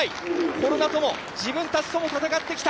コロナとも自分たちとも戦ってきた。